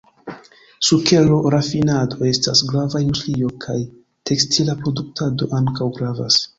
Sukero-rafinado estas grava industrio, kaj tekstila produktado ankaŭ gravas.